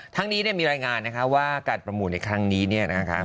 ทั้งนี้มีรายงานนะคะว่าการประมูลในครั้งนี้นะคะ